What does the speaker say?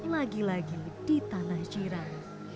lagi lagi di tanah jiran